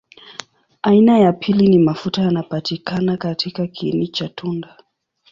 Aina ya pili ni mafuta yanapatikana katika kiini cha tunda.